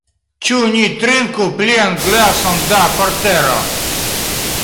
Ĉu ni trinku plian glason da portero?